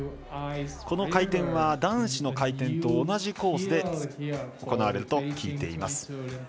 この回転は男子の回転と同じコースで行われると聞いています。